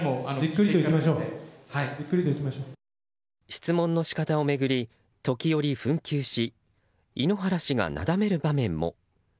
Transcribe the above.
質問の仕方を巡り、時折紛糾し井ノ原氏がなだめる場面も。